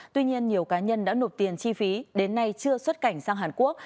tuy nhiên nhiều cá nhân đã nộp tiền chi phí đến nay chưa xuất cảnh sang hàn quốc